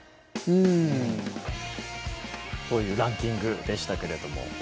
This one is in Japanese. というランキングでしたけれども。